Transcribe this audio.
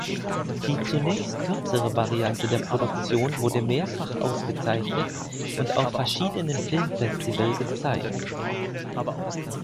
Die zunächst kürzere Variante der Produktion wurde mehrfach ausgezeichnet und auf verschiedenen Filmfestival gezeigt.